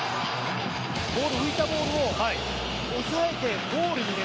ボール浮いたボールを押さえてゴールにね